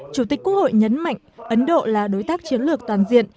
chủ tịch quốc hội nhấn mạnh ấn độ là đối tác chiến lược toàn diện